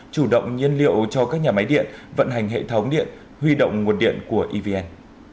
chủ động nhiên liệu cho các nhà máy điện vận hành hệ thống điện huy động nguồn điện của evn